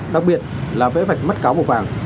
đặc biệt là vẽ vạch mắt cáo màu vàng